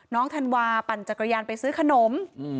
ธันวาปั่นจักรยานไปซื้อขนม